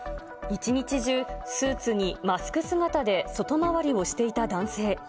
一日中、スーツにマスク姿で外回りをしていた男性。